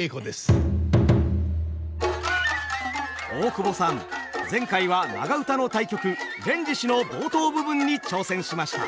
大久保さん前回は長唄の大曲「連獅子」の冒頭部分に挑戦しました。